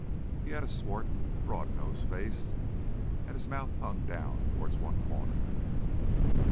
He had a swart, broad nosed face, and his mouth hung down towards one corner.